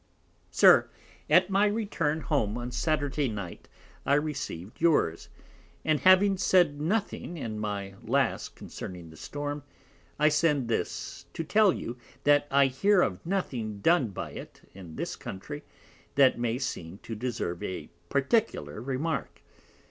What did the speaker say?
SIR, At my Return home on Saturday at Night, I receiv'd yours: and having said nothing in my last concerning the Storm, I send this to tell you, that I hear of nothing done by it in this Country that may seem to deserve a particular Remark.